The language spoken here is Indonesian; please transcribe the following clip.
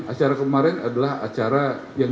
acara kemarin adalah acara yang